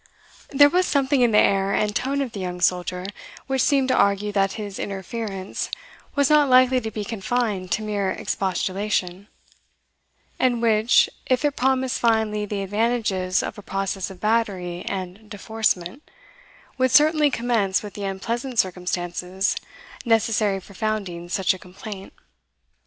There was something in the air and tone of the young soldier, which seemed to argue that his interference was not likely to be confined to mere expostulation; and which, if it promised finally the advantages of a process of battery and deforcement, would certainly commence with the unpleasant circumstances necessary for founding such a complaint.